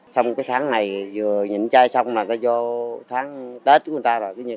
xong cái tháng này vừa nhịn chai xong là vô tháng tết của người ta rồi